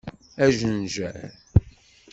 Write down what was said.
Ajenjar!